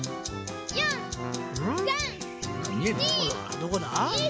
どこだ？